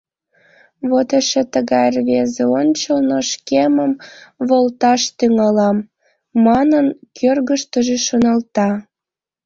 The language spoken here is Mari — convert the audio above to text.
«Вот эше тыгай рвезе ончылно шкемым волташ тӱҥалам!» — манын, кӧргыштыжӧ шоналта.